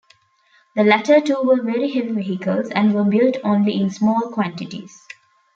The latter two were very heavy vehicles, and were built only in small quantities.